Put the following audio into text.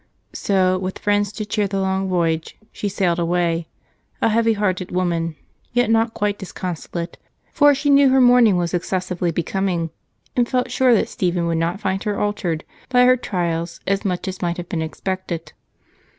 So, with friends to cheer the long voyage, she sailed away, a heavyhearted woman, yet not quite disconsolate, for she knew her mourning was excessively becoming and felt sure that Stephen would not find her altered by her trials as much as might have been expected.